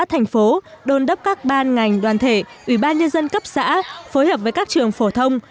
thành phố đôn đốc các ban ngành đoàn thể ủy ban nhân dân cấp xã phối hợp với các trường phổ thông